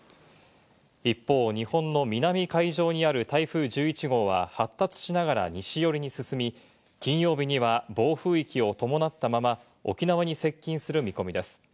一方、日本の南海上にある台風１１号は発達しながら西寄りに進み、金曜日には暴風域を伴ったまま沖縄に接近する見込みです。